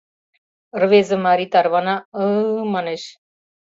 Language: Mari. Рвезе марий тарвана, ы-ы манеш.